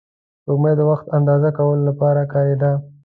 سپوږمۍ د وخت اندازه کولو لپاره کارېده